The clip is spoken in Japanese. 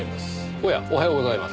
おやおはようございます。